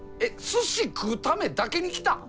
すし食うためだけに来たん！？